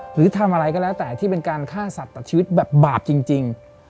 หรือทำอะไรก็แล้วแต่ที่เป็นการฆ่าสัตว์ต่อชีวิตแบบบาปจริง